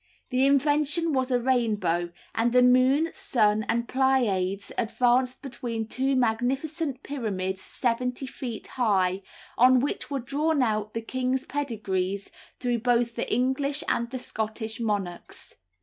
The invention was a rainbow; and the moon, sun, and pleiades advanced between two magnificent pyramids seventy feet high, on which were drawn out the king's pedigrees through both the English and the Scottish monarchs.